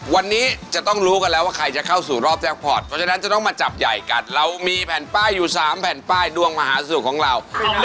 วันนี้จะต้องรู้กันแล้วว่าใครจะเข้าสู่รอบแจ็คพอร์ตเพราะฉะนั้นจะต้องมาจับใหญ่กันเรามีแผ่นป้ายอยู่๓แผ่นป้ายดวงมหาสนุกของเรา